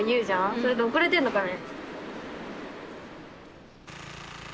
それって遅れてんのかね？